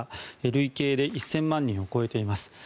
累計で１０００万人を超えています。